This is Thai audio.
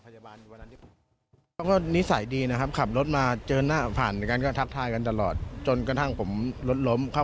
ใช่ครับผมบอกก็ไม่น่าทำ